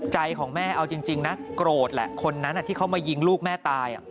ใจของแม่เอาจริงนะโกรธแหละคนนั้นที่เขามายิงลูกแม่ตาย